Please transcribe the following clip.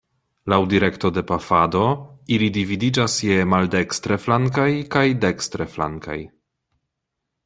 Laŭ direkto de pafado ili dividiĝas je maldekstre-flankaj kaj dekstre-flankaj.